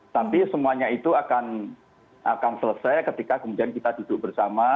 tapi semuanya itu akan selesai ketika kemudian kita duduk bersama